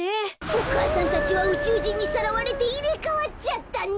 お母さんたちはうちゅうじんにさらわれていれかわっちゃったんだ！